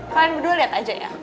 kalian berdua lihat aja ya